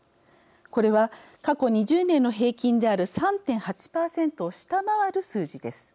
これは過去２０年の平均である３．８％を下回る数字です。